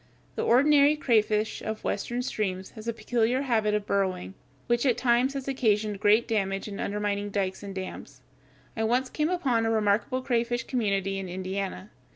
The ordinary crayfish of Western streams has a peculiar habit of burrowing, which at times has occasioned great damage in undermining dikes and dams. I once came upon a remarkable crayfish community in Indiana.